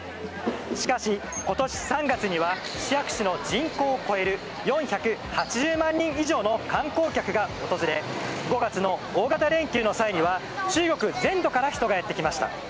しかし、今年３月にはシハク市の人口を超える４８０万人以上の観光客が訪れ５月の大型連休の際は中国全土から人がやってきました。